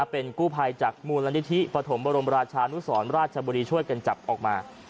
เป็นกู้ภัยจากมูลนิธิปฐมบรมราชานุสรราชบุรีช่วยกันจับออกมา